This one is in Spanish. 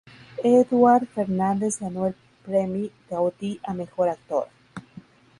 Eduard Fernández ganó el Premi Gaudí a Mejor Actor.